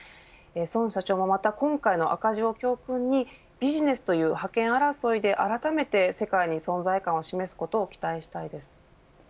孫社長がまた今回の赤字を教訓にビジネスという覇権争いであらためて世界に存在感を示すことを期待したいです。